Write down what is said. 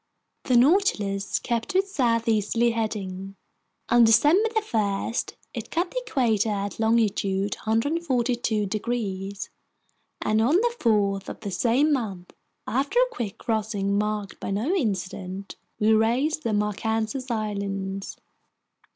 The Nautilus kept to its southeasterly heading. On December 1 it cut the equator at longitude 142 degrees, and on the 4th of the same month, after a quick crossing marked by no incident, we raised the Marquesas Islands.